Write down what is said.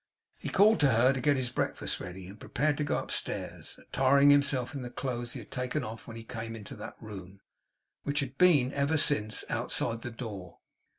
He called to her to get his breakfast ready, and prepared to go upstairs; attiring himself in the clothes he had taken off when he came into that room, which had been, ever since, outside the door.